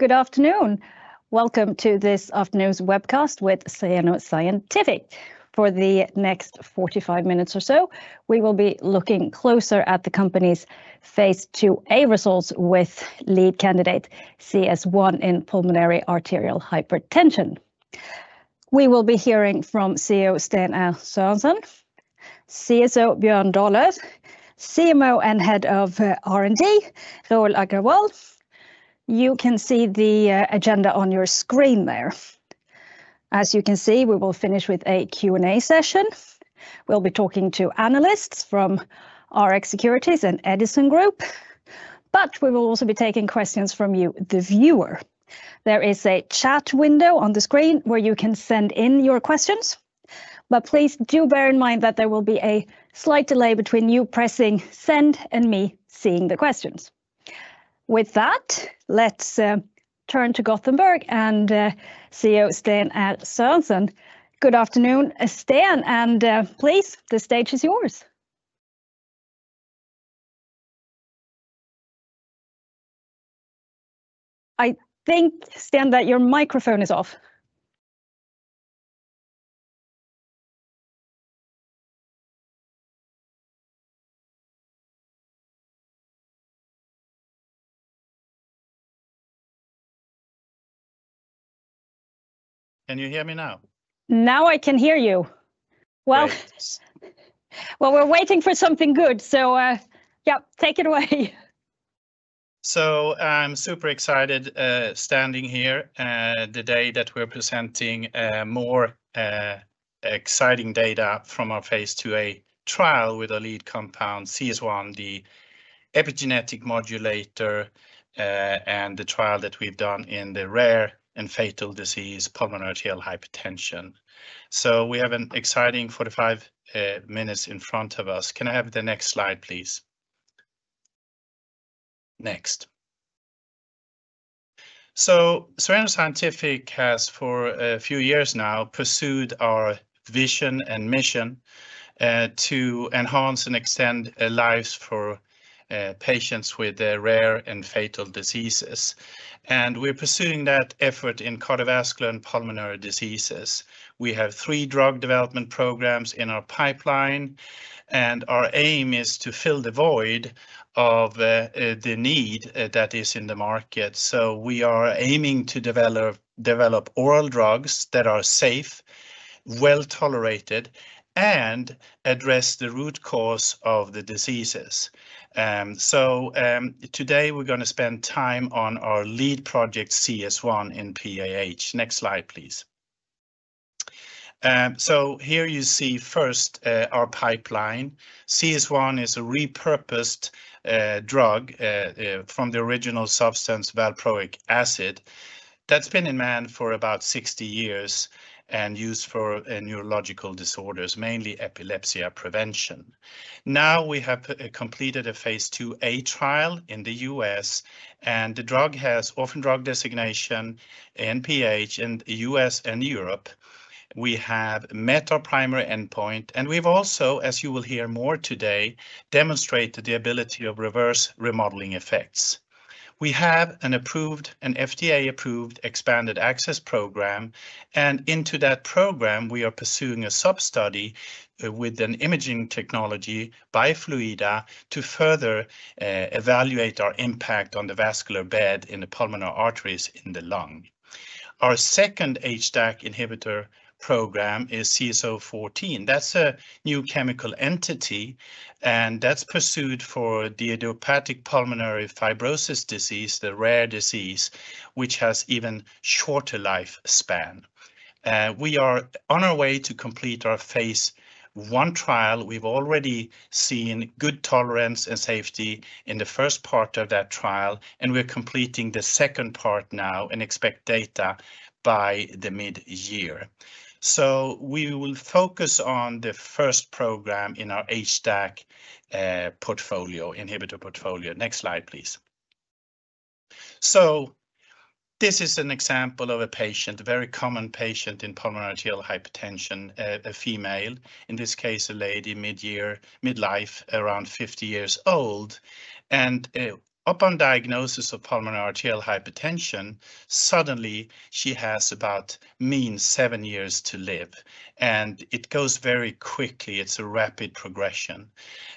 Good afternoon. Welcome to this afternoon's webcast with Cereno Scientific. For the next 45 minutes or so, we will be looking closer at the company's phase 2A results with lead candidate CS1 in pulmonary arterial hypertension. We will be hearing from CEO Sten R. Sørensen, CSO Björn Dahlöf, CMO and Head of R&D, Rahul Agrawal. You can see the agenda on your screen there. As you can see, we will finish with a Q&A session. We'll be talking to analysts from RX Securities and Edison Group, but we will also be taking questions from you, the viewer. There is a chat window on the screen where you can send in your questions, but please do bear in mind that there will be a slight delay between you pressing send and me seeing the questions. With that, let's turn to Gothenburg and CEO Sten R. Sörensen. Good afternoon, Sten, and please, the stage is yours. I think, Sten, that your microphone is off. Can you hear me now? Now I can hear you. We are waiting for something good, so yeah, take it away. I'm super excited standing here the day that we're presenting more exciting data from our phase 2A trial with a lead compound, CS1, the epigenetic modulator, and the trial that we've done in the rare and fatal disease, pulmonary arterial hypertension. We have an exciting 45 minutes in front of us. Can I have the next slide, please? Next. Cereno Scientific has, for a few years now, pursued our vision and mission to enhance and extend lives for patients with rare and fatal diseases. We're pursuing that effort in cardiovascular and pulmonary diseases. We have three drug development programs in our pipeline, and our aim is to fill the void of the need that is in the market. We are aiming to develop oral drugs that are safe, well-tolerated, and address the root cause of the diseases. Today we're going to spend time on our lead project, CS1 in PAH. Next slide, please. Here you see first our pipeline. CS1 is a repurposed drug from the original substance, valproic acid. That's been in man for about 60 years and used for neurological disorders, mainly epilepsy prevention. Now we have completed a phase 2A trial in the U.S., and the drug has orphan drug designation in PAH in the U.S. and Europe. We have met our primary endpoint, and we've also, as you will hear more today, demonstrated the ability of reverse remodeling effects. We have an FDA-approved expanded access program, and into that program, we are pursuing a sub-study with an imaging technology by Fluidda to further evaluate our impact on the vascular bed in the pulmonary arteries in the lung. Our second HDAC inhibitor program is CS014. That's a new chemical entity, and that's pursued for the idiopathic pulmonary fibrosis disease, the rare disease, which has even shorter lifespan. We are on our way to complete our phase 1 trial. We've already seen good tolerance and safety in the first part of that trial, and we're completing the second part now and expect data by the mid-year. We will focus on the first program in our HDAC inhibitor portfolio. Next slide, please. This is an example of a patient, a very common patient in pulmonary arterial hypertension, a female, in this case, a lady, mid-life, around 50 years old. Upon diagnosis of pulmonary arterial hypertension, suddenly she has about a mean seven years to live. It goes very quickly. It's a rapid progression.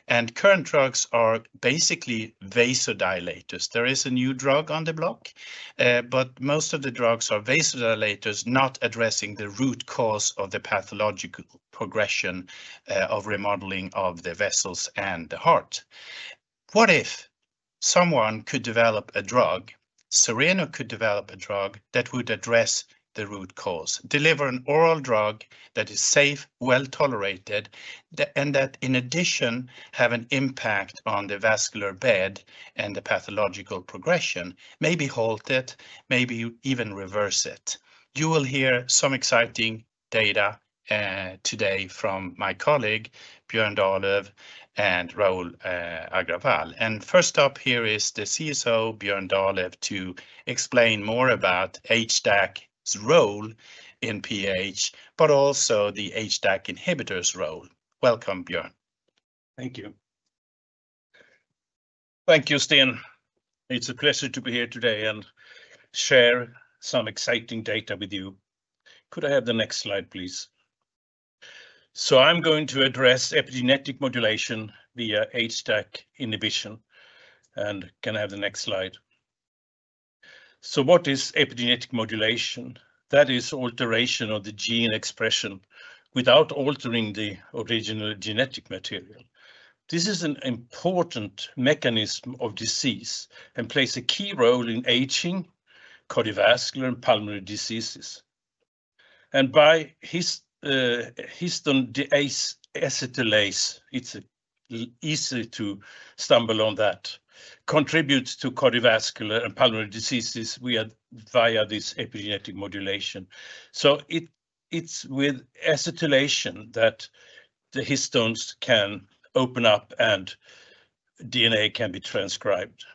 Current drugs are basically vasodilators. There is a new drug on the block, but most of the drugs are vasodilators, not addressing the root cause of the pathological progression of remodeling of the vessels and the heart. What if someone could develop a drug, Cereno could develop a drug that would address the root cause, deliver an oral drug that is safe, well-tolerated, and that in addition has an impact on the vascular bed and the pathological progression, maybe halt it, maybe even reverse it? You will hear some exciting data today from my colleague, Björn Dahlöf, and Rahul Agrawal. First up here is the CSO, Björn Dahlöf, to explain more about HDAC's role in PAH, but also the HDAC inhibitor's role. Welcome, Björn. Thank you. Thank you, Sten. It's a pleasure to be here today and share some exciting data with you. Could I have the next slide, please? I am going to address epigenetic modulation via HDAC inhibition. Could I have the next slide? What is epigenetic modulation? That is alteration of the gene expression without altering the original genetic material. This is an important mechanism of disease and plays a key role in aging, cardiovascular, and pulmonary diseases. By histone deacetylase, it's easy to stumble on that, contributes to cardiovascular and pulmonary diseases via this epigenetic modulation. With acetylation, the histones can open up and DNA can be transcribed.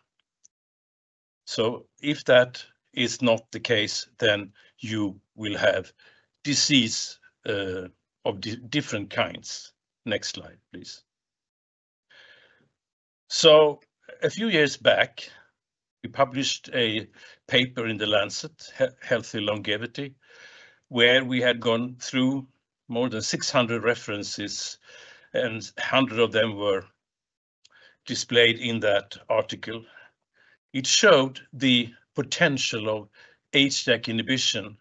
If that is not the case, then you will have disease of different kinds. Next slide, please. A few years back, we published a paper in The Lancet Healthy Longevity, where we had gone through more than 600 references, and 100 of them were displayed in that article. It showed the potential of HDAC inhibition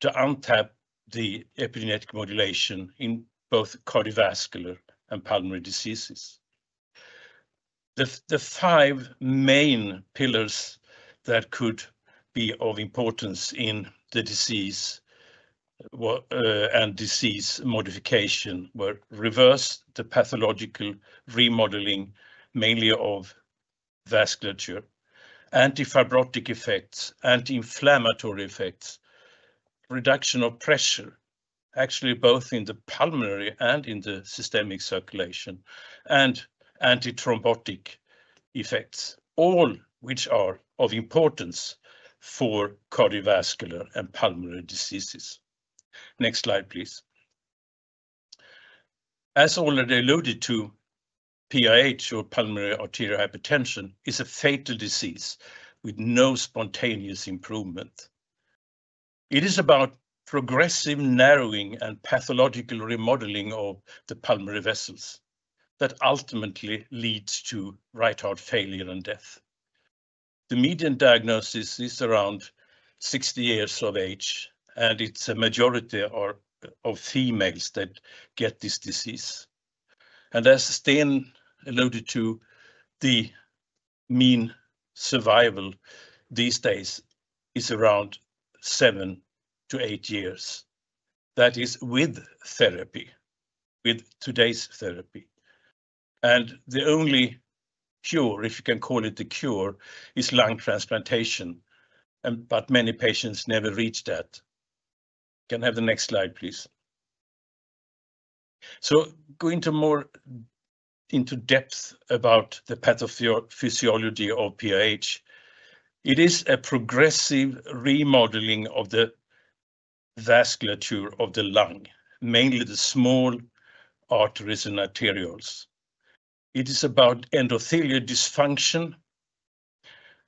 to untap the epigenetic modulation in both cardiovascular and pulmonary diseases. The five main pillars that could be of importance in the disease and disease modification were reverse the pathological remodeling, mainly of vasculature, antifibrotic effects, anti-inflammatory effects, reduction of pressure, actually both in the pulmonary and in the systemic circulation, and antithrombotic effects, all which are of importance for cardiovascular and pulmonary diseases. Next slide, please. As already alluded to, PAH, or pulmonary arterial hypertension, is a fatal disease with no spontaneous improvement. It is about progressive narrowing and pathological remodeling of the pulmonary vessels that ultimately leads to right heart failure and death. The median diagnosis is around 60 years of age, and it's a majority of females that get this disease. As Sten alluded to, the mean survival these days is around seven to eight years. That is with therapy, with today's therapy. The only cure, if you can call it the cure, is lung transplantation, but many patients never reach that. Can I have the next slide, please? Going more into depth about the pathophysiology of PAH, it is a progressive remodeling of the vasculature of the lung, mainly the small arteries and arterioles. It is about endothelial dysfunction,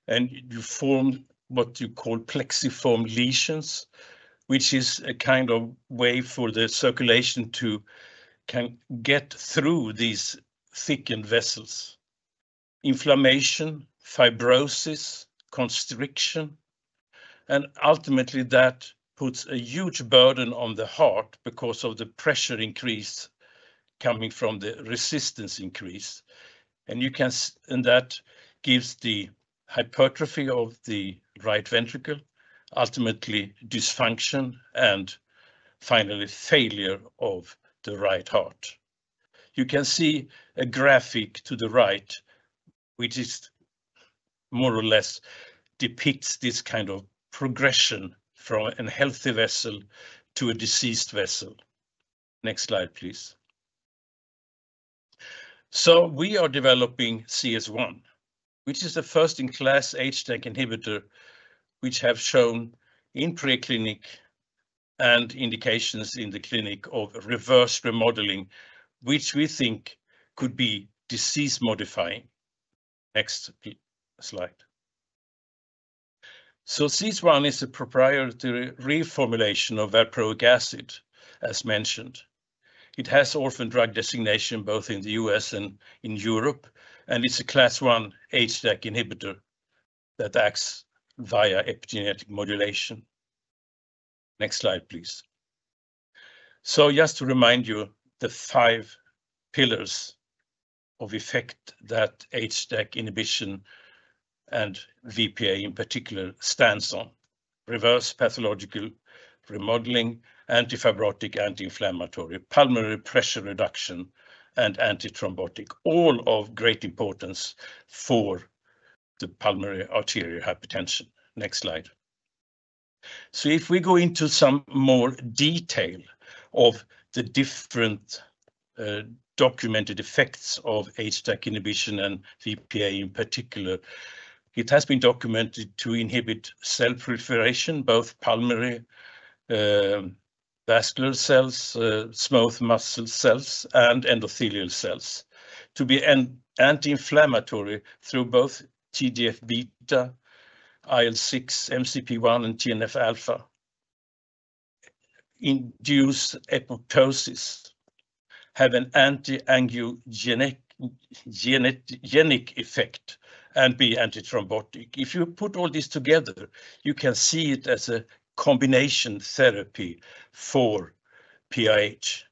and you form what you call plexiform lesions, which is a kind of way for the circulation to get through these thickened vessels. Inflammation, fibrosis, constriction, and ultimately that puts a huge burden on the heart because of the pressure increase coming from the resistance increase. That gives the hypertrophy of the right ventricle, ultimately dysfunction, and finally failure of the right heart. You can see a graphic to the right, which more or less depicts this kind of progression from a healthy vessel to a diseased vessel. Next slide, please. We are developing CS1, which is the first-in-class HDAC inhibitor, which has shown in preclinic and indications in the clinic of reverse remodeling, which we think could be disease-modifying. Next slide. CS1 is a proprietary reformulation of valproic acid, as mentioned. It has orphan drug designation both in the U.S. and in Europe, and it is a class I HDAC inhibitor that acts via epigenetic modulation. Next slide, please. Just to remind you, the five pillars of effect that HDAC inhibition and VPA in particular stands on: reverse pathological remodeling, antifibrotic, anti-inflammatory, pulmonary pressure reduction, and antithrombotic, all of great importance for the pulmonary arterial hypertension. Next slide. If we go into some more detail of the different documented effects of HDAC inhibition and VPA in particular, it has been documented to inhibit cell proliferation, both pulmonary vascular cells, smooth muscle cells, and endothelial cells, to be anti-inflammatory through both TGF-beta, IL-6, MCP1, and TNF alpha, induce apoptosis, have an anti-angiogenic effect, and be antithrombotic. If you put all this together, you can see it as a combination therapy for PAH.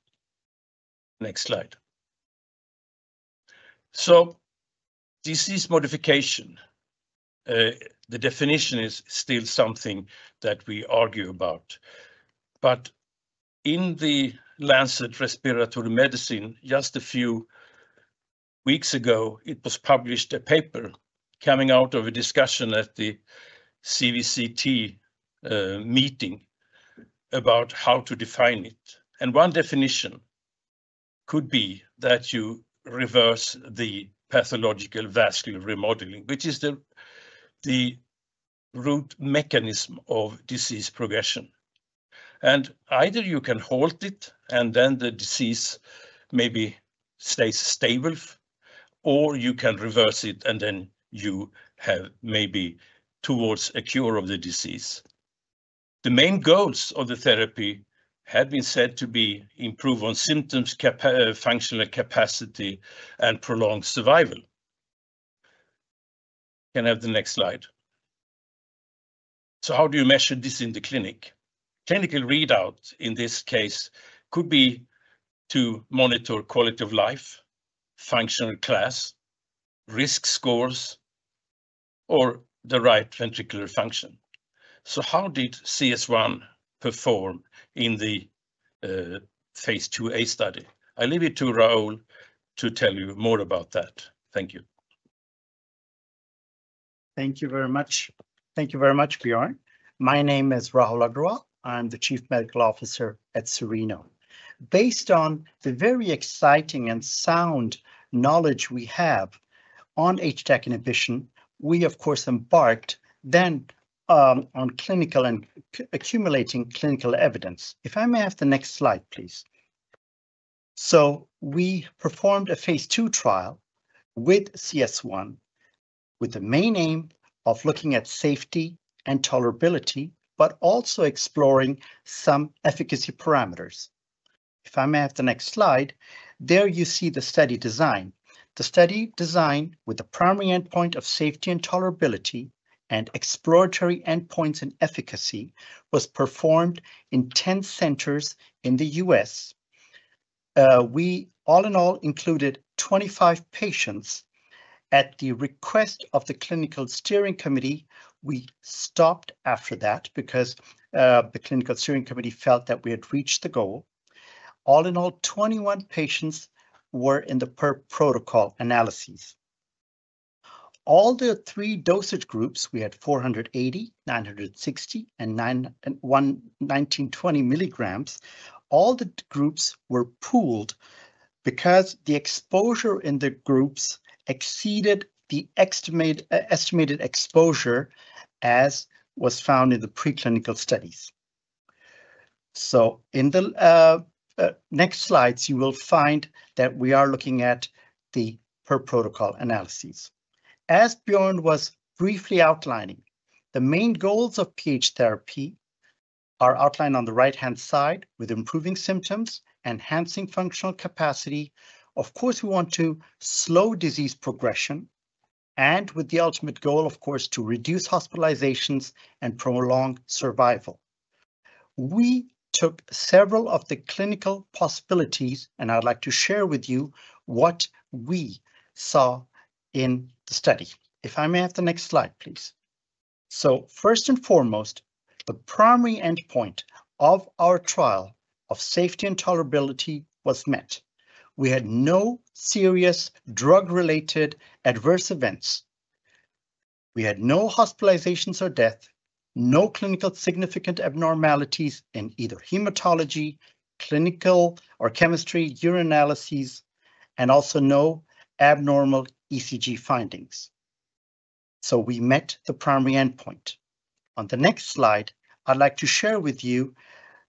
Next slide. Disease modification, the definition is still something that we argue about. In the Lancet Respiratory Medicine, just a few weeks ago, it was published a paper coming out of a discussion at the CVCT meeting about how to define it. One definition could be that you reverse the pathological vascular remodeling, which is the root mechanism of disease progression. Either you can halt it, and then the disease maybe stays stable, or you can reverse it, and then you have maybe towards a cure of the disease. The main goals of the therapy have been said to be improve on symptoms, functional capacity, and prolonged survival. Can I have the next slide? How do you measure this in the clinic? Clinical readout in this case could be to monitor quality of life, functional class, risk scores, or the right ventricular function. How did CS1 perform in the phase 2A study? I'll leave it to Rahul to tell you more about that. Thank you. Thank you very much. Thank you very much, Björn. My name is Rahul Agrawal. I'm the Chief Medical Officer at Cereno. Based on the very exciting and sound knowledge we have on HDAC inhibition, we, of course, embarked then on clinical and accumulating clinical evidence. If I may have the next slide, please. We performed a phase 2 trial with CS1 with the main aim of looking at safety and tolerability, but also exploring some efficacy parameters. If I may have the next slide, there you see the study design. The study design with the primary endpoint of safety and tolerability and exploratory endpoints and efficacy was performed in 10 centers in the U.S. We all in all included 25 patients. At the request of the clinical steering committee, we stopped after that because the clinical steering committee felt that we had reached the goal. All in all, 21 patients were in the per protocol analyses. All the three dosage groups, we had 480, 960, and 1920 milligrams. All the groups were pooled because the exposure in the groups exceeded the estimated exposure as was found in the preclinical studies. In the next slides, you will find that we are looking at the per protocol analyses. As Björn was briefly outlining, the main goals of PH therapy are outlined on the right-hand side with improving symptoms, enhancing functional capacity. Of course, we want to slow disease progression, and with the ultimate goal, of course, to reduce hospitalizations and prolong survival. We took several of the clinical possibilities, and I'd like to share with you what we saw in the study. If I may have the next slide, please. First and foremost, the primary endpoint of our trial of safety and tolerability was met. We had no serious drug-related adverse events. We had no hospitalizations or death, no clinically significant abnormalities in either hematology, clinical or chemistry, urinalyses, and also no abnormal ECG findings. We met the primary endpoint. On the next slide, I'd like to share with you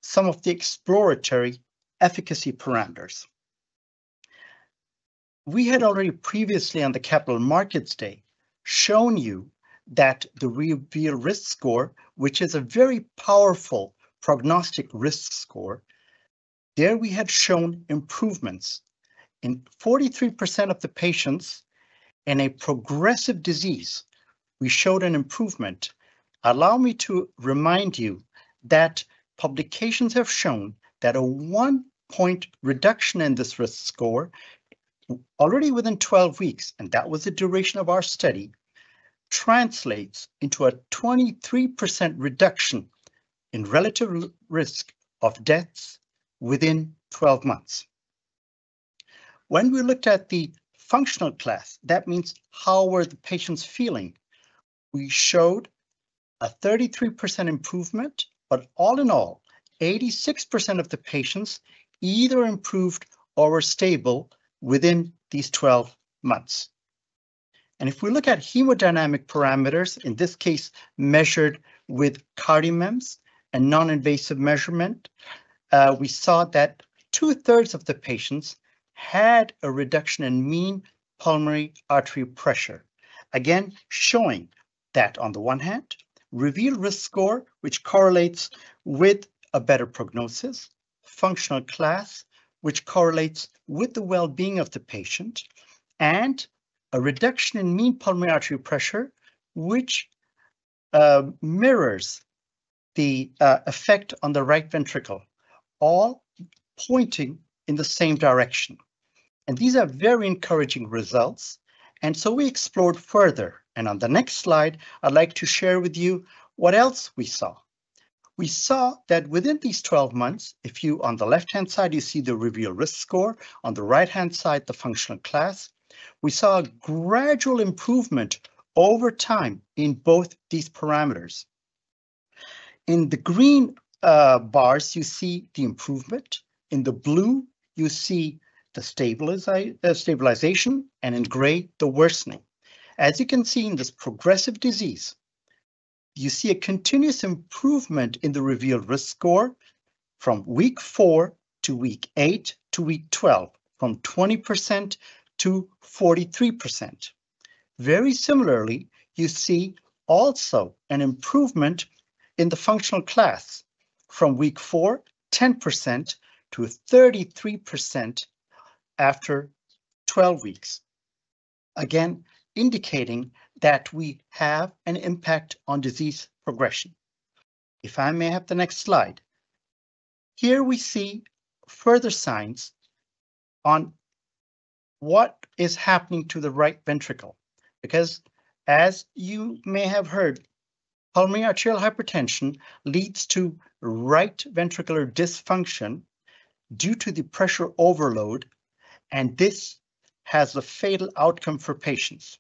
some of the exploratory efficacy parameters. We had already previously on the Capital Markets Day shown you that the REVEAL Risk Score, which is a very powerful prognostic risk score, there we had shown improvements. In 43% of the patients in a progressive disease, we showed an improvement. Allow me to remind you that publications have shown that a one-point reduction in this risk score already within 12 weeks, and that was the duration of our study, translates into a 23% reduction in relative risk of deaths within 12 months. When we looked at the functional class, that means how were the patients feeling? We showed a 33% improvement, but all in all, 86% of the patients either improved or were stable within these 12 months. If we look at hemodynamic parameters, in this case measured with CardioMEMS, a non-invasive measurement, we saw that two-thirds of the patients had a reduction in mean pulmonary artery pressure, again showing that on the one hand, REVEAL Risk Score, which correlates with a better prognosis, functional class, which correlates with the well-being of the patient, and a reduction in mean pulmonary artery pressure, which mirrors the effect on the right ventricle, all pointing in the same direction. These are very encouraging results. We explored further. On the next slide, I'd like to share with you what else we saw. We saw that within these 12 months, if you on the left-hand side, you see the REVEAL Risk Score, on the right-hand side, the functional class, we saw a gradual improvement over time in both these parameters. In the green bars, you see the improvement. In the blue, you see the stabilization, and in gray, the worsening. As you can see in this progressive disease, you see a continuous improvement in the REVEAL Risk Score from week four to week eight to week 12, from 20%-43%. Very similarly, you see also an improvement in the functional class from week four, 10%-33% after 12 weeks, again indicating that we have an impact on disease progression. If I may have the next slide. Here we see further signs on what is happening to the right ventricle. Because as you may have heard, pulmonary arterial hypertension leads to right ventricular dysfunction due to the pressure overload, and this has a fatal outcome for patients.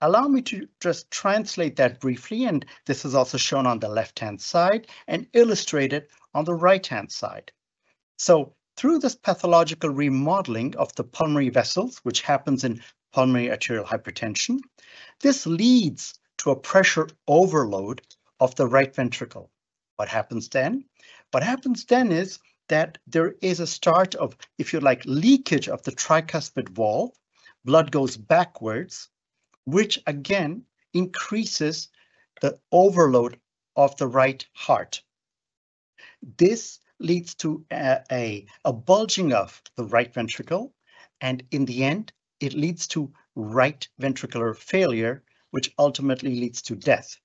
Allow me to just translate that briefly, and this is also shown on the left-hand side and illustrated on the right-hand side. Through this pathological remodeling of the pulmonary vessels, which happens in pulmonary arterial hypertension, this leads to a pressure overload of the right ventricle. What happens then? What happens then is that there is a start of, if you like, leakage of the tricuspid valve. Blood goes backwards, which again increases the overload of the right heart. This leads to a bulging of the right ventricle, and in the end, it leads to right ventricular failure, which ultimately leads to death.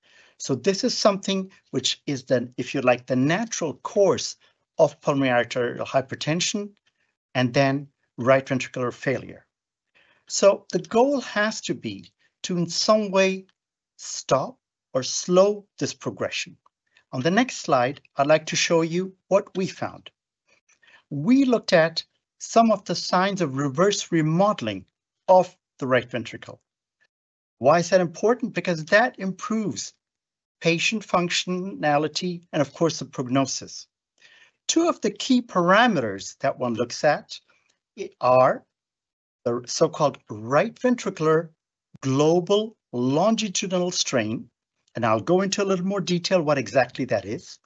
This is something which is then, if you like, the natural course of pulmonary arterial hypertension and then right ventricular failure. The goal has to be to in some way stop or slow this progression. On the next slide, I'd like to show you what we found. We looked at some of the signs of reverse remodeling of the right ventricle. Why is that important? Because that improves patient functionality and, of course, the prognosis. Two of the key parameters that one looks at are the so-called right ventricular global longitudinal strain, and I'll go into a little more detail what exactly that is,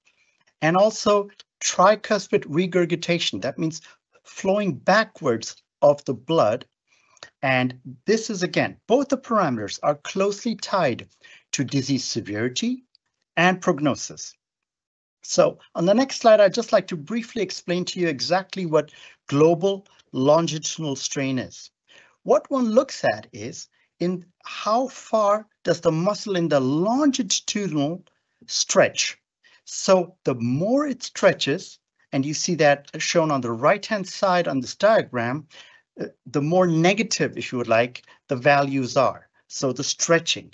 and also tricuspid regurgitation. That means flowing backwards of the blood. This is again, both the parameters are closely tied to disease severity and prognosis. On the next slide, I'd just like to briefly explain to you exactly what global longitudinal strain is. What one looks at is in how far does the muscle in the longitudinal stretch. The more it stretches, and you see that shown on the right-hand side on this diagram, the more negative, if you would like, the values are. The stretching.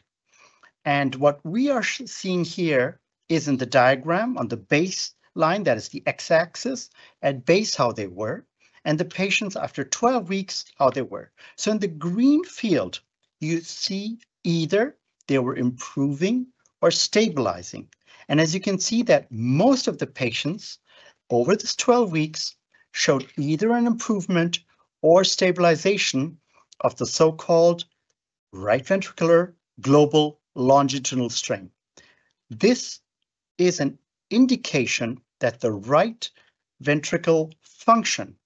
What we are seeing here is in the diagram on the baseline, that is the X-axis, at base how they were, and the patients after 12 weeks how they were. In the green field, you see either they were improving or stabilizing. As you can see, most of the patients over these 12 weeks showed either an improvement or stabilization of the so-called right ventricular global longitudinal strain. This is an indication that the right ventricle function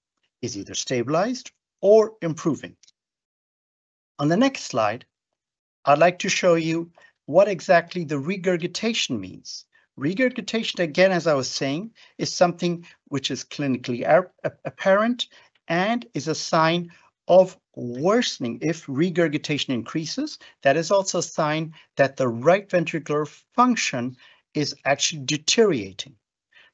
is either stabilized or improving. On the next slide, I'd like to show you what exactly the regurgitation means. Regurgitation, again, as I was saying, is something which is clinically apparent and is a sign of worsening. If regurgitation increases, that is also a sign that the right ventricular function is actually deteriorating.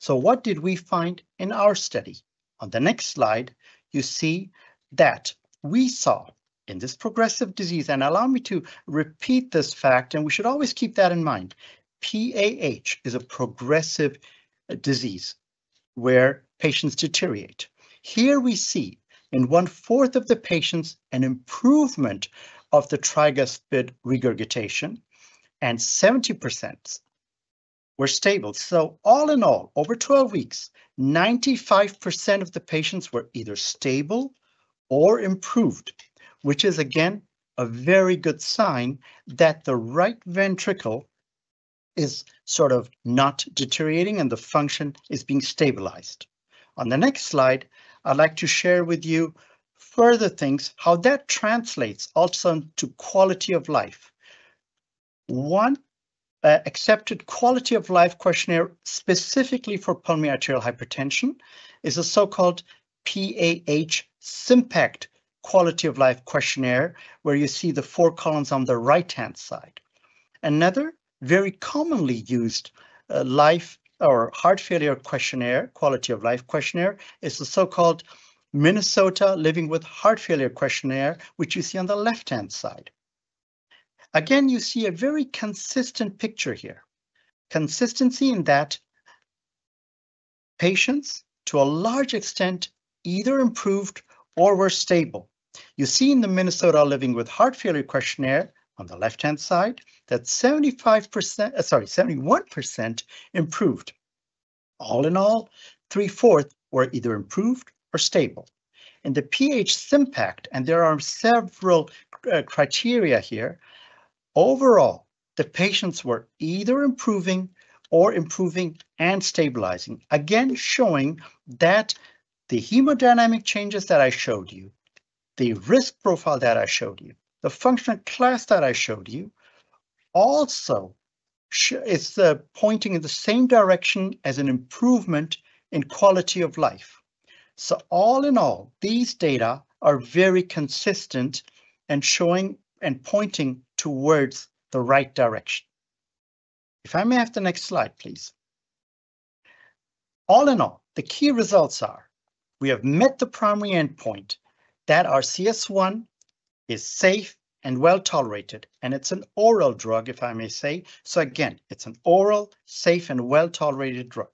What did we find in our study? On the next slide, you see that we saw in this progressive disease, and allow me to repeat this fact, and we should always keep that in mind. PAH is a progressive disease where patients deteriorate. Here we see in one-fourth of the patients an improvement of the tricuspid regurgitation, and 70% were stable. All in all, over 12 weeks, 95% of the patients were either stable or improved, which is again a very good sign that the right ventricle is sort of not deteriorating and the function is being stabilized. On the next slide, I'd like to share with you further things, how that translates also to quality of life. One accepted quality of life questionnaire specifically for pulmonary arterial hypertension is a so-called PAH-SYMPACT Quality of Life Questionnaire, where you see the four columns on the right-hand side. Another very commonly used life or heart failure questionnaire, quality of life questionnaire, is the so-called Minnesota Living with Heart Failure Questionnaire, which you see on the left-hand side. Again, you see a very consistent picture here. Consistency in that patients, to a large extent, either improved or were stable. You see in the Minnesota Living with Heart Failure Questionnaire on the left-hand side that 75%, sorry, 71% improved. All in all, three-fourths were either improved or stable. In the PH Symimpact, and there are several criteria here, overall, the patients were either improving or improving and stabilizing, again showing that the hemodynamic changes that I showed you, the risk profile that I showed you, the functional class that I showed you, also is pointing in the same direction as an improvement in quality of life. All in all, these data are very consistent and showing and pointing towards the right direction. If I may have the next slide, please. All in all, the key results are we have met the primary endpoint that our CS1 is safe and well tolerated, and it's an oral drug, if I may say. Again, it's an oral, safe, and well tolerated drug.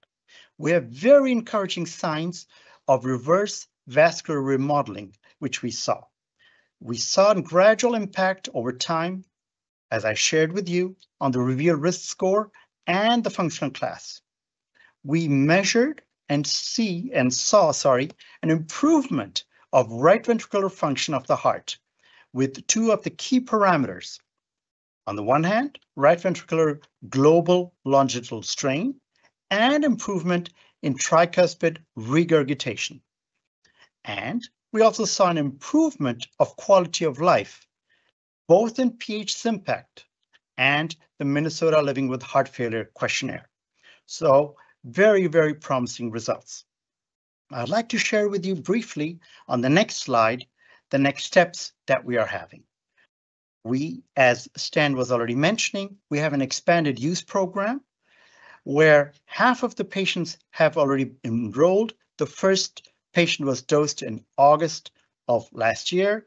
We have very encouraging signs of reverse vascular remodeling, which we saw. We saw a gradual impact over time, as I shared with you, on the REVEAL Risk Score and the functional class. We measured and see and saw, sorry, an improvement of right ventricular function of the heart with two of the key parameters. On the one hand, right ventricular global longitudinal strain and improvement in tricuspid regurgitation. We also saw an improvement of quality of life, both in PAH-SYMPACT and the Minnesota Living with Heart Failure Questionnaire. Very, very promising results. I'd like to share with you briefly on the next slide, the next steps that we are having. We, as Sten was already mentioning, have an expanded use program where half of the patients have already enrolled. The first patient was dosed in August of last year.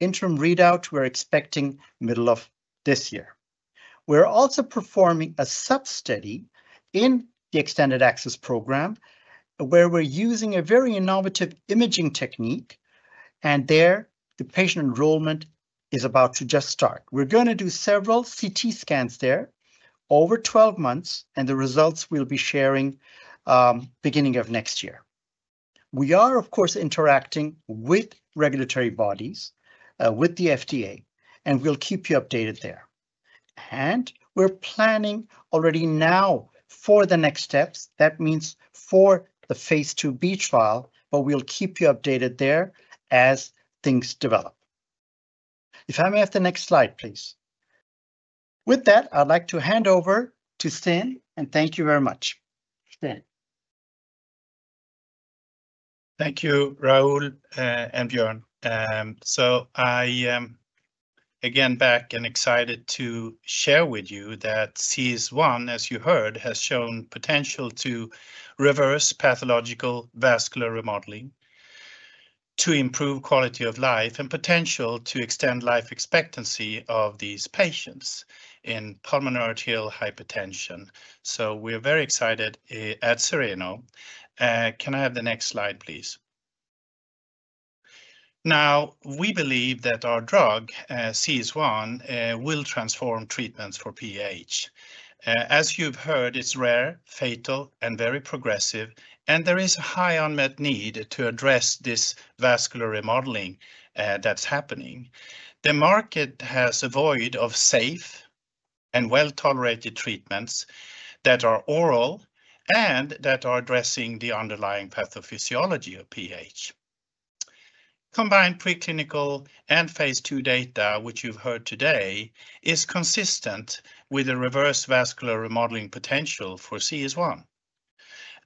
Interim readout, we're expecting middle of this year. We're also performing a sub-study in the expanded access program where we're using a very innovative imaging technique, and there the patient enrollment is about to just start. We're going to do several CT scans there over 12 months, and the results we'll be sharing beginning of next year. We are, of course, interacting with regulatory bodies, with the FDA, and we'll keep you updated there. We're planning already now for the next steps. That means for the phase 2B trial, but we'll keep you updated there as things develop. If I may have the next slide, please. With that, I'd like to hand over to Sten and thank you very much. Sten. Thank you, Rahul and Björn. I am again back and excited to share with you that CS1, as you heard, has shown potential to reverse pathological vascular remodeling to improve quality of life and potential to extend life expectancy of these patients in pulmonary arterial hypertension. We are very excited at Cereno. Can I have the next slide, please? Now, we believe that our drug, CS1, will transform treatments for PH. As you've heard, it's rare, fatal, and very progressive, and there is a high unmet need to address this vascular remodeling that's happening. The market has a void of safe and well-tolerated treatments that are oral and that are addressing the underlying pathophysiology of PH. Combined preclinical and phase two data, which you've heard today, is consistent with a reverse vascular remodeling potential for CS1.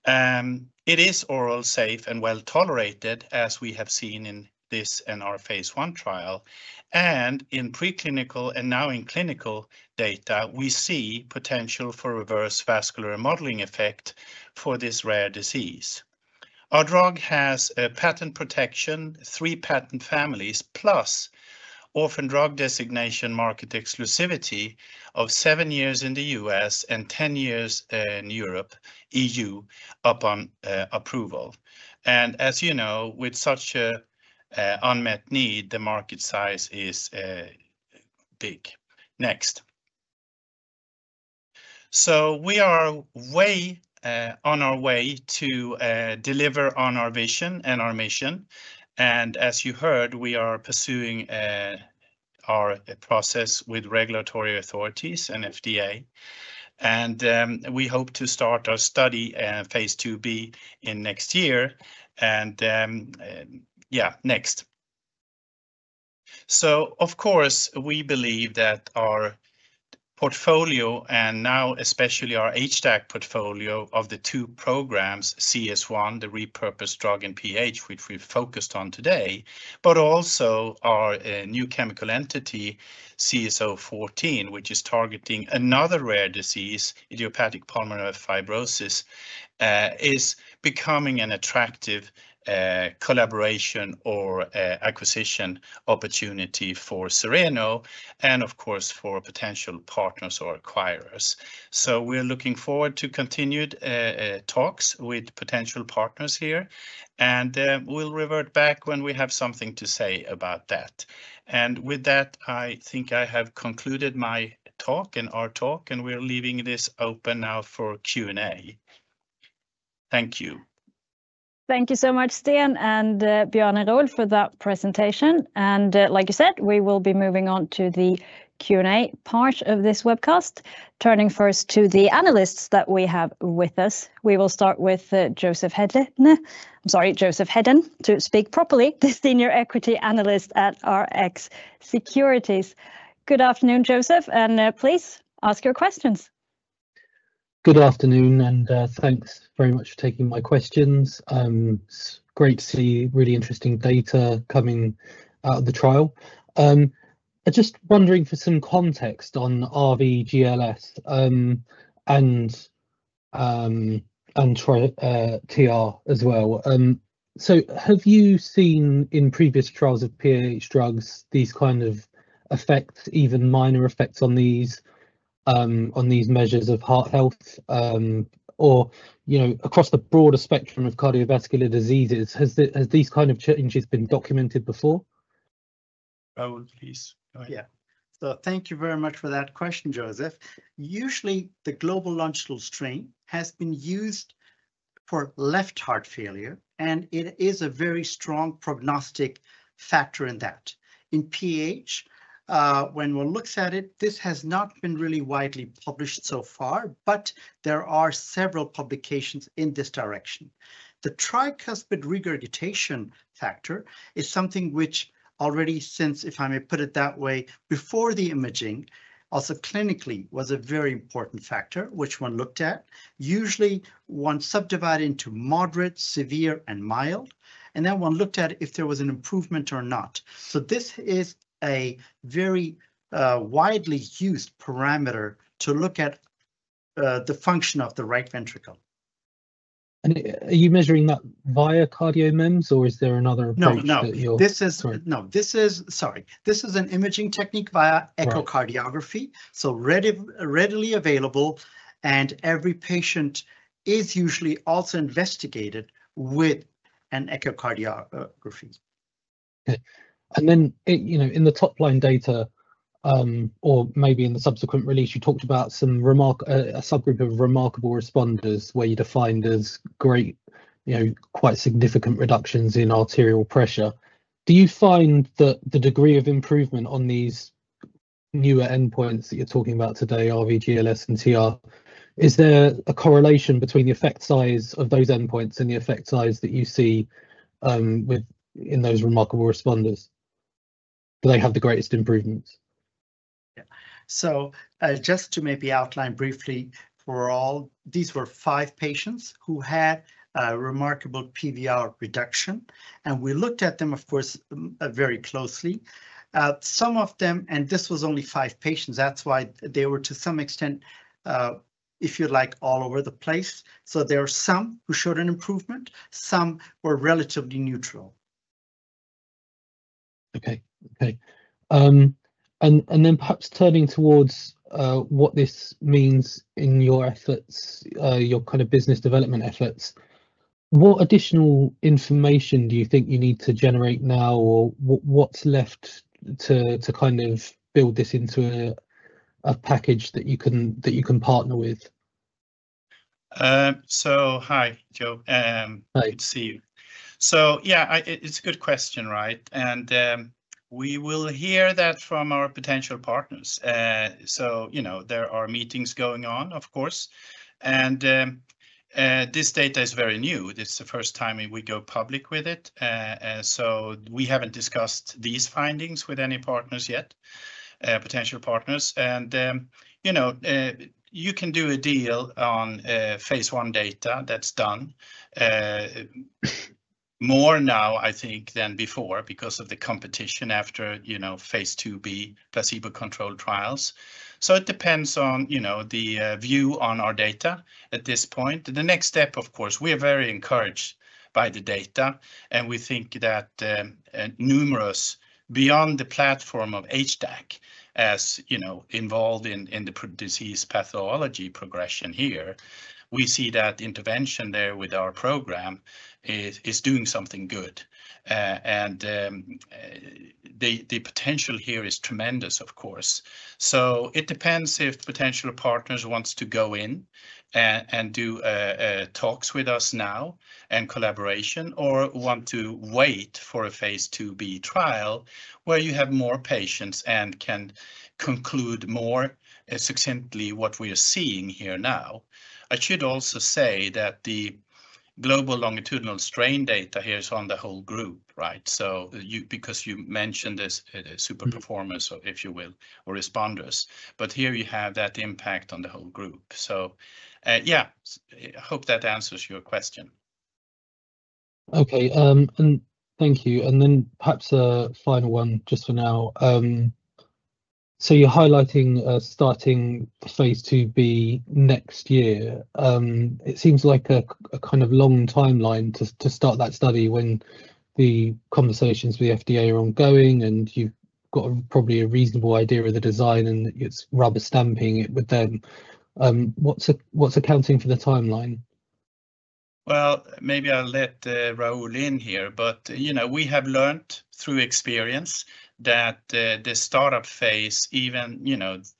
It is oral, safe, and well-tolerated, as we have seen in this and our phase one trial. In preclinical and now in clinical data, we see potential for reverse vascular remodeling effect for this rare disease. Our drug has a patent protection, three patent families, plus orphan drug designation market exclusivity of seven years in the U.S. and 10 years in Europe, EU, upon approval. As you know, with such an unmet need, the market size is big. Next. We are way on our way to deliver on our vision and our mission. As you heard, we are pursuing our process with regulatory authorities, FDA. We hope to start our study phase 2B in next year. Yeah, next. Of course, we believe that our portfolio, and now especially our HDAC portfolio of the two programs, CS1, the repurposed drug in PH, which we focused on today, but also our new chemical entity, CSO14, which is targeting another rare disease, idiopathic pulmonary fibrosis, is becoming an attractive collaboration or acquisition opportunity for Cereno and, of course, for potential partners or acquirers. We are looking forward to continued talks with potential partners here, and we will revert back when we have something to say about that. With that, I think I have concluded my talk and our talk, and we are leaving this open now for Q&A. Thank you. Thank you so much, Sten and Björn and Rahul for that presentation. Like you said, we will be moving on to the Q&A part of this webcast, turning first to the analysts that we have with us. We will start with Joseph Hedén, I'm sorry, Joseph Hedén, to speak properly, the Senior Equity Analyst at RSecurities. Good afternoon, Joseph, and please ask your questions. Good afternoon, and thanks very much for taking my questions. It's great to see really interesting data coming out of the trial. I'm just wondering for some context on RVGLS and TR as well. Have you seen in previous trials of PH drugs these kind of effects, even minor effects on these measures of heart health or across the broader spectrum of cardiovascular diseases? Has these kind of changes been documented before? Rahul, please. Yeah. Thank you very much for that question, Joseph. Usually, the global longitudinal strain has been used for left heart failure, and it is a very strong prognostic factor in that. In PH, when one looks at it, this has not been really widely published so far, but there are several publications in this direction. The tricuspid regurgitation factor is something which already, since, if I may put it that way, before the imaging, also clinically was a very important factor, which one looked at. Usually, one subdivided into moderate, severe, and mild, and then one looked at if there was an improvement or not. This is a very widely used parameter to look at the function of the right ventricle. Are you measuring that via CardioMEMS, or is there another approach that you're— No, no, this is— Sorry. This is an imaging technique via echocardiography, so readily available, and every patient is usually also investigated with an echocardiography. In the top-line data, or maybe in the subsequent release, you talked about some subgroup of remarkable responders where you defined as great, quite significant reductions in arterial pressure. Do you find that the degree of improvement on these newer endpoints that you're talking about today, RVGLS and TR, is there a correlation between the effect size of those endpoints and the effect size that you see in those remarkable responders? Do they have the greatest improvements? Yeah. Just to maybe outline briefly for all, these were five patients who had a remarkable PVR reduction, and we looked at them, of course, very closely. Some of them, and this was only five patients, that's why they were to some extent, if you like, all over the place. There are some who showed an improvement, some were relatively neutral. Okay. Okay. Perhaps turning towards what this means in your efforts, your kind of business development efforts, what additional information do you think you need to generate now, or what's left to kind of build this into a package that you can partner with? Hi, Joseph. Good to see you. Yeah, it's a good question, right? We will hear that from our potential partners. There are meetings going on, of course. This data is very new. It's the first time we go public with it. We haven't discussed these findings with any partners yet, potential partners. You can do a deal on phase one data; that's done more now, I think, than before because of the competition after phase 2B placebo-controlled trials. It depends on the view on our data at this point. The next step, of course, we are very encouraged by the data, and we think that numerous beyond the platform of HDAC, as involved in the disease pathology progression here, we see that intervention there with our program is doing something good. The potential here is tremendous, of course. It depends if potential partners want to go in and do talks with us now and collaboration, or want to wait for a phase 2B trial where you have more patients and can conclude more succinctly what we are seeing here now. I should also say that the global longitudinal strain data here is on the whole group, right? You mentioned this super performers, if you will, or responders, but here you have that impact on the whole group. I hope that answers your question. Okay. Thank you. Perhaps a final one just for now. You're highlighting starting phase 2B next year. It seems like a kind of long timeline to start that study when the conversations with the FDA are ongoing and you've got probably a reasonable idea of the design and it's rubber stamping it with them. What's accounting for the timeline? Maybe I'll let Rahul in here, but we have learned through experience that the startup phase, even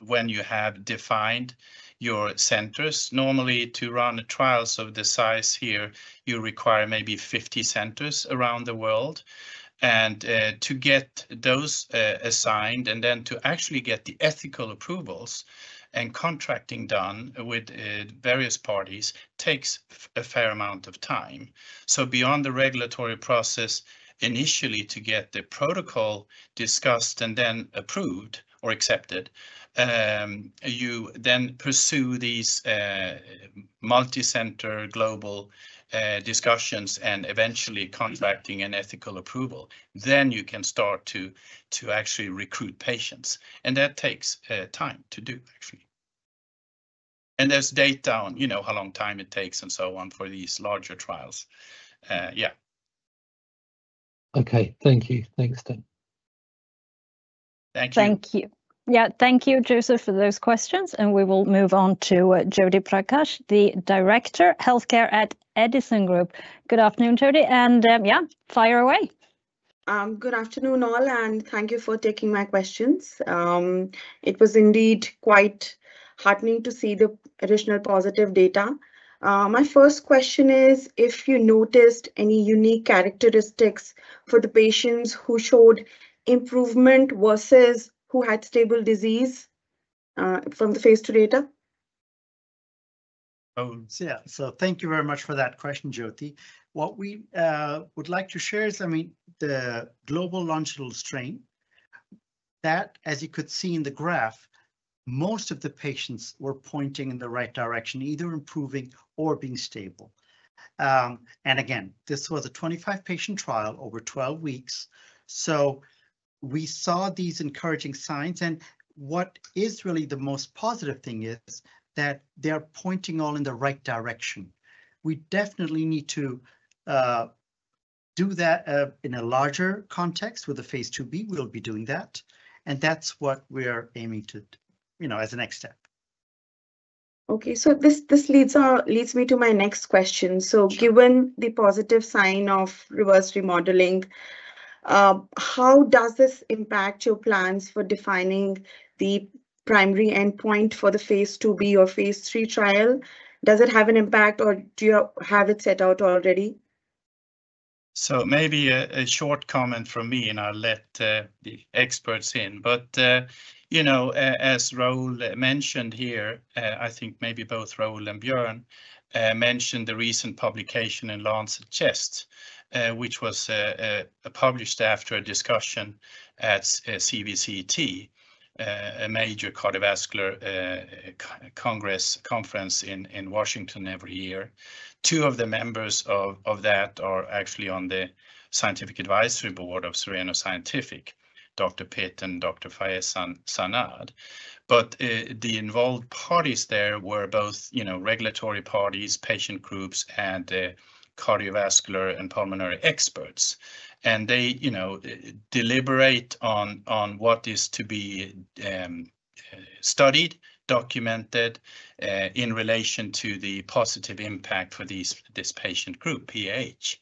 when you have defined your centers, normally to run trials of the size here, you require maybe 50 centers around the world. To get those assigned and then to actually get the ethical approvals and contracting done with various parties takes a fair amount of time. Beyond the regulatory process initially to get the protocol discussed and then approved or accepted, you then pursue these multi-center global discussions and eventually contracting and ethical approval. You can start to actually recruit patients. That takes time to do, actually. There is data on how long time it takes and so on for these larger trials. Yeah. Okay. Thank you. Thanks, Sten. Thank you. Thank you. Yeah. Thank you, Joseph, for those questions. We will move on to Jyoti Prakash, the Director, Healthcare at Edison Group. Good afternoon, Jyoti. Yeah, fire away. Good afternoon, all. Thank you for taking my questions. It was indeed quite heartening to see the additional positive data. My first question is if you noticed any unique characteristics for the patients who showed improvement versus who had stable disease from the phase two data. Yeah. Thank you very much for that question, Jyoti. What we would like to share is, I mean, the global longitudinal strain that, as you could see in the graph, most of the patients were pointing in the right direction, either improving or being stable. Again, this was a 25-patient trial over 12 weeks. We saw these encouraging signs. What is really the most positive thing is that they are pointing all in the right direction. We definitely need to do that in a larger context with the phase two B. We will be doing that. That is what we are aiming to as a next step. Okay. This leads me to my next question. Given the positive sign of reverse remodeling, how does this impact your plans for defining the primary endpoint for the phase two B or phase three trial? Does it have an impact, or do you have it set out already? Maybe a short comment from me, and I'll let the experts in. As Rahul mentioned here, I think maybe both Rahul and Björn mentioned the recent publication in Lancet Chest, which was published after a discussion at CVCT, a major cardiovascular conference in Washington every year. Two of the members of that are actually on the scientific advisory board of Cereno Scientific, Dr. Pitt and Dr. Faiez Zannad. The involved parties there were both regulatory parties, patient groups, and cardiovascular and pulmonary experts. They deliberate on what is to be studied, documented in relation to the positive impact for this patient group, PH.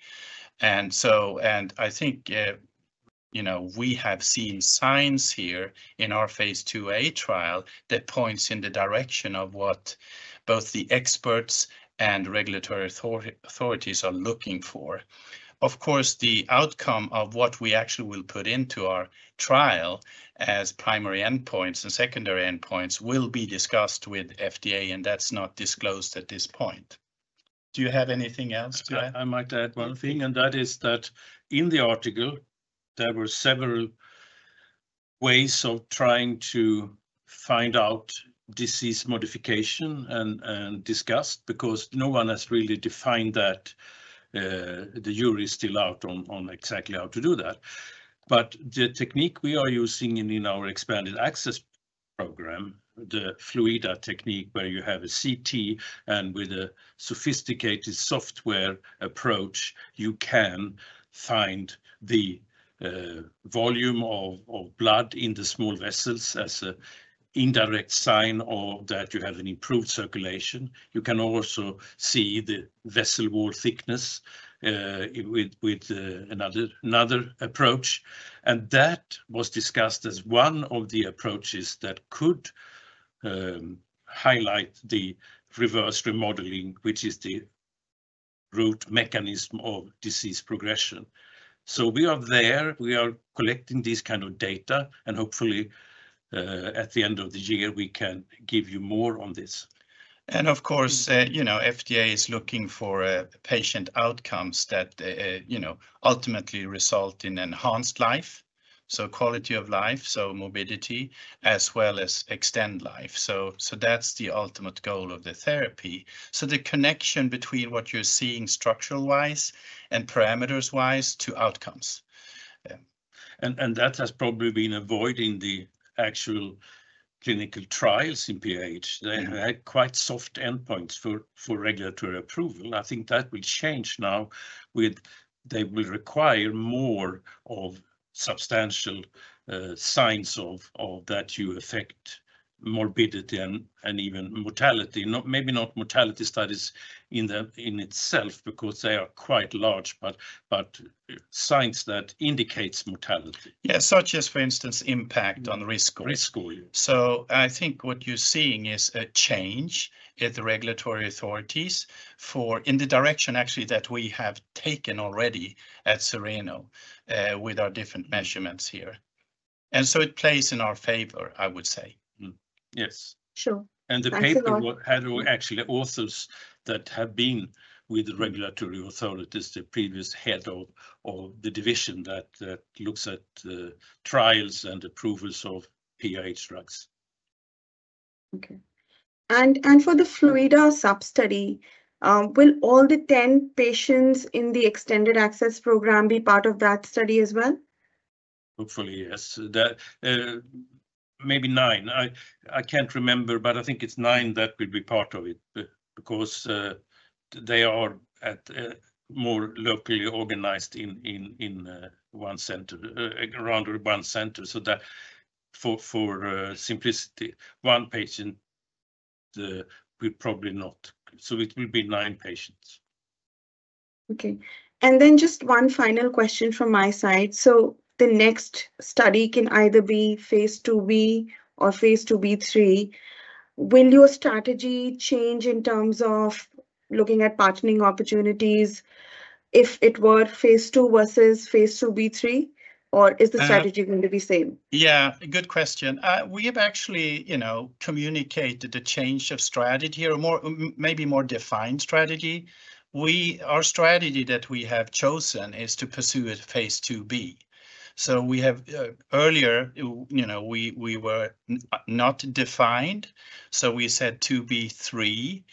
I think we have seen signs here in our phase 2A trial that points in the direction of what both the experts and regulatory authorities are looking for. Of course, the outcome of what we actually will put into our trial as primary endpoints and secondary endpoints will be discussed with FDA, and that's not disclosed at this point. Do you have anything else to add? I might add one thing, and that is that in the article, there were several ways of trying to find out disease modification and discussed because no one has really defined that. The jury is still out on exactly how to do that. The technique we are using in our expanded access program, the Fluidda technique, where you have a CT and with a sophisticated software approach, you can find the volume of blood in the small vessels as an indirect sign that you have an improved circulation. You can also see the vessel wall thickness with another approach. That was discussed as one of the approaches that could highlight the reverse remodeling, which is the root mechanism of disease progression. We are there. We are collecting this kind of data, and hopefully, at the end of the year, we can give you more on this. Of course, FDA is looking for patient outcomes that ultimately result in enhanced life, so quality of life, mobility, as well as extend life. That is the ultimate goal of the therapy. The connection between what you're seeing structural-wise and parameters-wise to outcomes has probably been avoiding the actual clinical trials in PH. They had quite soft endpoints for regulatory approval. I think that will change now with they will require more of substantial signs that you affect morbidity and even mortality. Maybe not mortality studies in itself because they are quite large, but signs that indicate mortality. Yeah, such as, for instance, impact on risk score. Risk score. I think what you're seeing is a change at the regulatory authorities in the direction actually that we have taken already at Cereno with our different measurements here. It plays in our favor, I would say. Yes. Sure. The paper had actually authors that have been with the regulatory authorities, the previous head of the division that looks at trials and approvals of PH drugs. Okay. For the Fluidda sub-study, will all the 10 patients in the extended access program be part of that study as well? Hopefully, yes. Maybe nine. I can't remember, but I think it's nine that will be part of it because they are more locally organized in one center, around one center. For simplicity, one patient will probably not. It will be nine patients. Okay. Just one final question from my side. The next study can either be phase 2B or phase 2B3. Will your strategy change in terms of looking at partnering opportunities if it were phase 2 versus phase 2B3, or is the strategy going to be the same? Good question. We have actually communicated the change of strategy or maybe more defined strategy. Our strategy that we have chosen is to pursue a phase 2B. Earlier, we were not defined, so we said 2B3.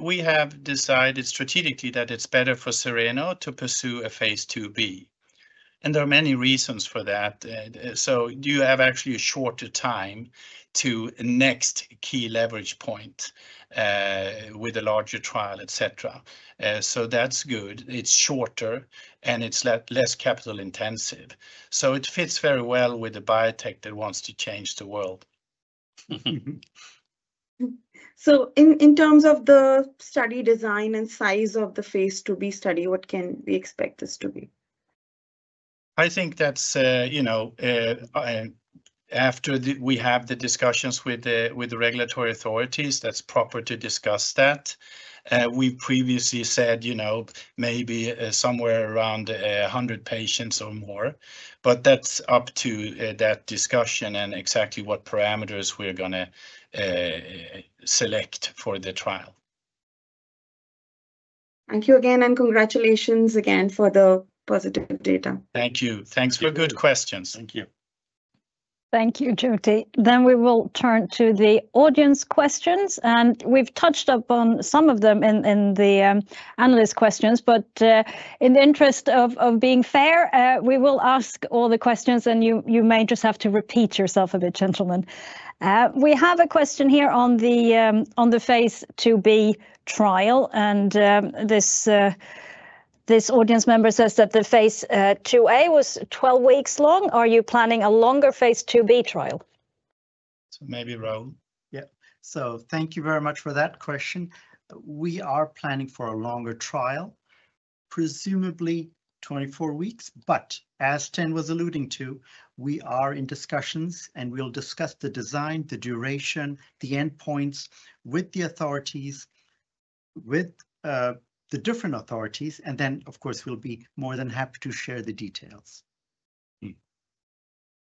We have decided strategically that it is better for Cereno to pursue a phase 2B. There are many reasons for that. You have actually a shorter time to next key leverage point with a larger trial, etc. That is good. It's shorter, and it's less capital-intensive. It fits very well with a biotech that wants to change the world. In terms of the study design and size of the phase 2B study, what can we expect this to be? I think that's after we have the discussions with the regulatory authorities, that's proper to discuss that. We previously said maybe somewhere around 100 patients or more. That is up to that discussion and exactly what parameters we're going to select for the trial. Thank you again, and congratulations again for the positive data. Thank you. Thanks for good questions. Thank you. Thank you, Jyoti. We will turn to the audience questions. We've touched upon some of them in the analyst questions. In the interest of being fair, we will ask all the questions, and you may just have to repeat yourself a bit, gentlemen. We have a question here on the phase 2B trial. This audience member says that the phase 2A was 12 weeks long. Are you planning a longer phase 2B trial? Maybe Rahul. Yeah. Thank you very much for that question. We are planning for a longer trial, presumably 24 weeks. As Sten was alluding to, we are in discussions, and we will discuss the design, the duration, the endpoints with the authorities, with the different authorities. Of course, we will be more than happy to share the details.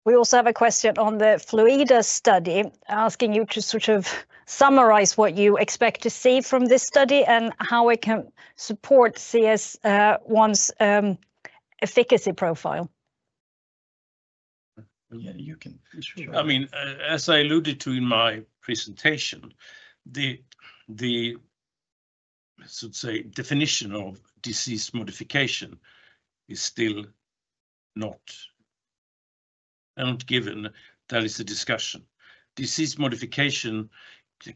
We also have a question on the Fluidda study asking you to sort of summarize what you expect to see from this study and how it can support CS1's efficacy profile. Yeah, you can. I mean, as I alluded to in my presentation, the, I should say, definition of disease modification is still not given. That is a discussion. Disease modification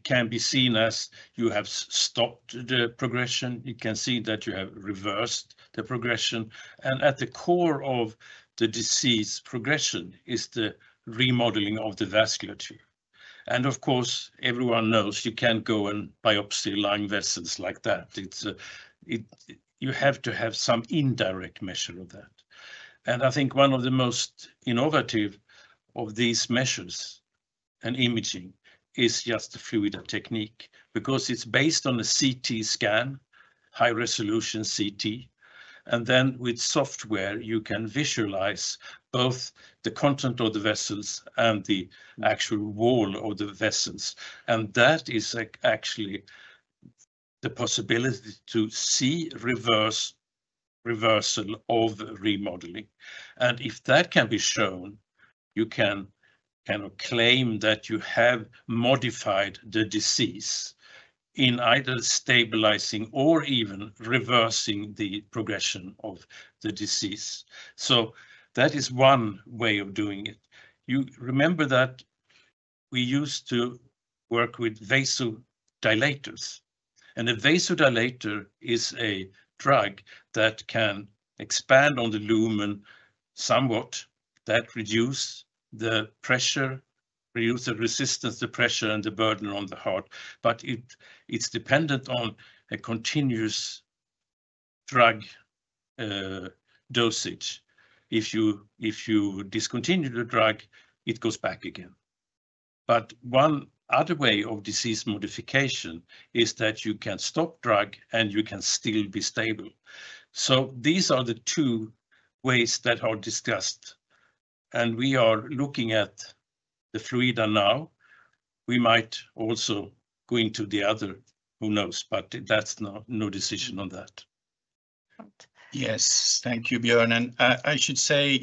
can be seen as you have stopped the progression. You can see that you have reversed the progression. At the core of the disease progression is the remodeling of the vasculature. Of course, everyone knows you can't go and biopsy lung vessels like that. You have to have some indirect measure of that. I think one of the most innovative of these measures in imaging is just the Fluidda technique because it's based on a CT scan, high-resolution CT. With software, you can visualize both the content of the vessels and the actual wall of the vessels. That is actually the possibility to see reversal of remodeling. If that can be shown, you can kind of claim that you have modified the disease in either stabilizing or even reversing the progression of the disease. That is one way of doing it. You remember that we used to work with vasodilators. A vasodilator is a drug that can expand on the lumen somewhat that reduces the pressure, reduces the resistance to pressure, and the burden on the heart. It is dependent on a continuous drug dosage. If you discontinue the drug, it goes back again. One other way of disease modification is that you can stop drug, and you can still be stable. These are the two ways that are discussed. We are looking at the Fluidda now. We might also go into the other, who knows, but there is no decision on that. Yes. Thank you, Björn. I should say,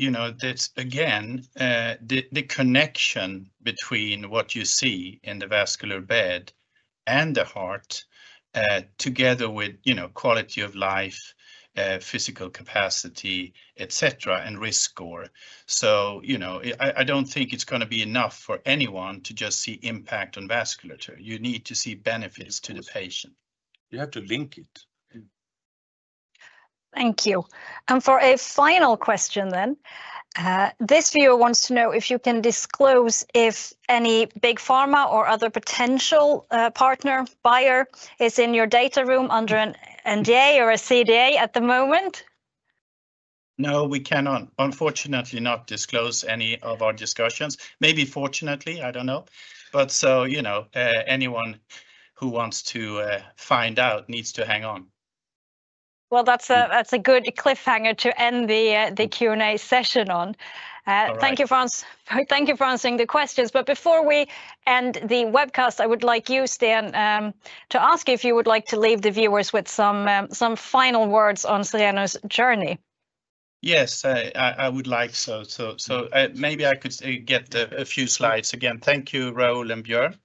again, the connection between what you see in the vascular bed and the heart together with quality of life, physical capacity, etc., and risk score. I do not think it is going to be enough for anyone to just see impact on vasculature. You need to see benefits to the patient. You have to link it. Thank you. For a final question then, this viewer wants to know if you can disclose if any big pharma or other potential partner, buyer is in your data room under an NDA or a CDA at the moment. No, we cannot, unfortunately, not disclose any of our discussions. Maybe fortunately, I do not know. Anyone who wants to find out needs to hang on. That is a good cliffhanger to end the Q&A session on. Thank you for answering the questions. Before we end the webcast, I would like you, Sten, to ask if you would like to leave the viewers with some final words on Cereno's journey. Yes, I would like so. Maybe I could get a few slides. Again, thank you, Rahul and Björn.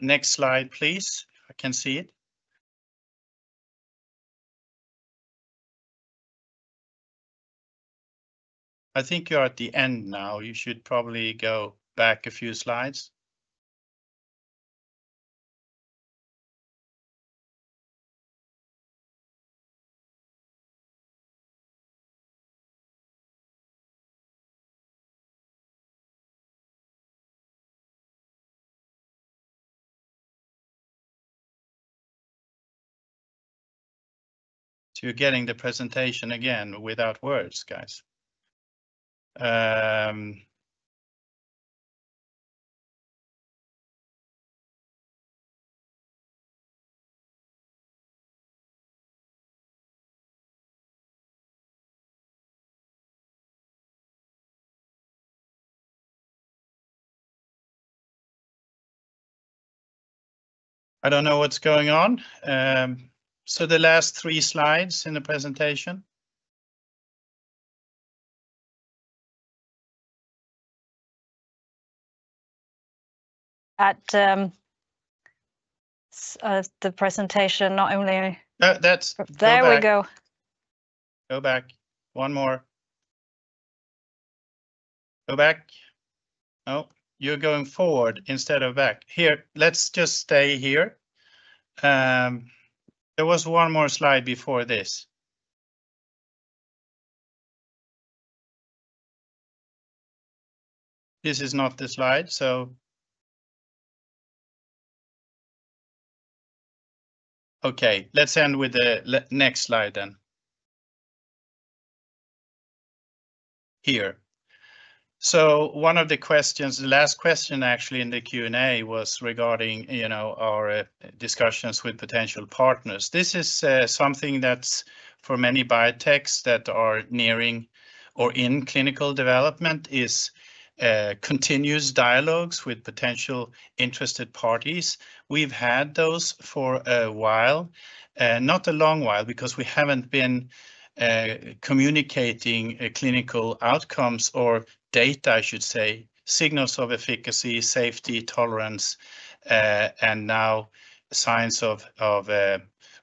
Next slide, please. I can see it. I think you're at the end now. You should probably go back a few slides. You're getting the presentation again without words, guys. I don't know what's going on. The last three slides in the presentation. At the presentation, not only. There we go. Go back. One more. Go back. No, you're going forward instead of back. Here, let's just stay here. There was one more slide before this. This is not the slide, so. Let's end with the next slide then. Here. One of the questions, the last question actually in the Q&A, was regarding our discussions with potential partners. This is something that's for many biotechs that are nearing or in clinical development is continuous dialogues with potential interested parties. We've had those for a while, not a long while because we haven't been communicating clinical outcomes or data, I should say, signals of efficacy, safety, tolerance, and now signs of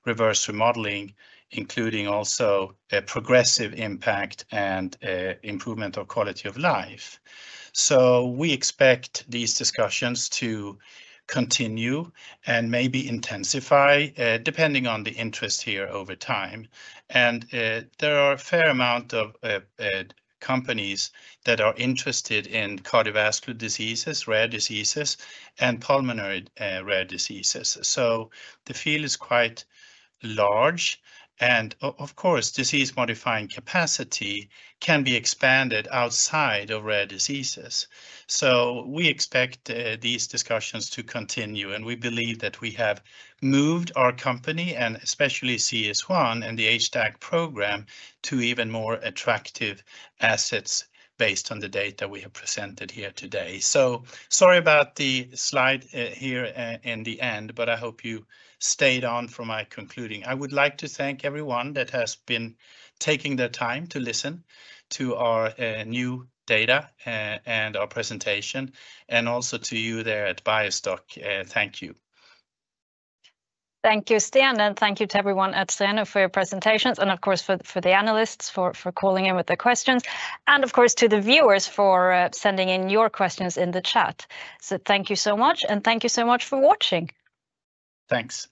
reverse remodeling, including also progressive impact and improvement of quality of life. We expect these discussions to continue and maybe intensify depending on the interest here over time. There are a fair amount of companies that are interested in cardiovascular diseases, rare diseases, and pulmonary rare diseases. The field is quite large. Of course, disease-modifying capacity can be expanded outside of rare diseases. We expect these discussions to continue. We believe that we have moved our company, and especially CS1 and the HDAC program, to even more attractive assets based on the data we have presented here today. Sorry about the slide here in the end, but I hope you stayed on for my concluding. I would like to thank everyone that has been taking the time to listen to our new data and our presentation, and also to you there at BioStock. Thank you. Thank you, Sten, and thank you to everyone at Cereno for your presentations, and of course, for the analysts for calling in with the questions. Of course, to the viewers for sending in your questions in the chat. Thank you so much, and thank you so much for watching. Thanks.